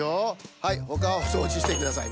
はいほかをそうじしてください。